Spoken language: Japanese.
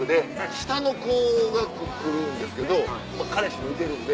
下の子が来るんですけどまぁ彼氏もいてるんで。